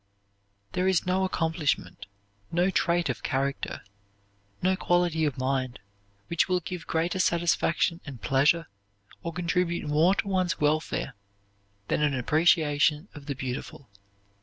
There is no accomplishment, no trait of character, no quality of mind, which will give greater satisfaction and pleasure or contribute more to one's welfare than an appreciation of the beautiful.